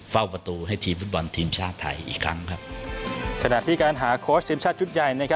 เฝ้าประตูให้ทีมฟุตบอลทีมชาติไทยอีกครั้งครับขณะที่การหาโค้ชทีมชาติชุดใหญ่